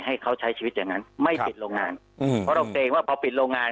ให้เขาใช้ชีวิตอย่างนั้นไม่ปิดโรงงานอืมเพราะเราเกรงว่าพอปิดโรงงาน